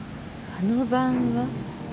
あの晩は。